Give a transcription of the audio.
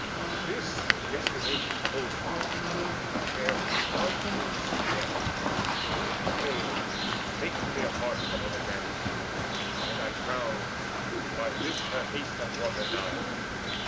This yesterday she told me, ere she plunged Into sea depths, yea, spake to me apart From other Danaans; and, I trow, by this Her haste hath brought her nigh.